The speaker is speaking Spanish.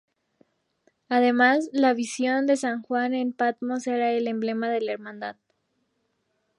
Además, la visión de san Juan en Patmos era el emblema de la Hermandad.